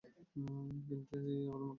কিন্তু এ আবালমার্কা কথা না!